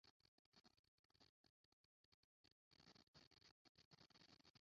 Ihungabana ry’ubukungu rya hato na hato ryakagombye gutuma habaho ibitekerezo bishya ku izamuka ry’ubukungu ku isi